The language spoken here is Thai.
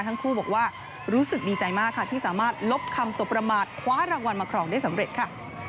ทั้งคู่บอกว่ารู้สึกดีใจมากค่ะที่สามารถลบคำสบประมาทคว้ารางวัลมาครองได้สำเร็จค่ะ